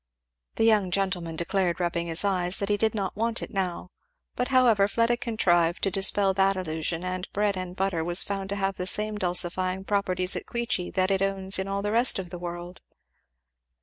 The young gentleman declared, rubbing his eyes, that he did not want it now; but however Fleda contrived to dispel that illusion, and bread and butter was found to have the same dulcifying properties at Queechy that it owns in all the rest of the world.